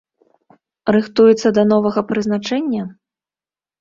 Рыхтуецца да новага прызначэння?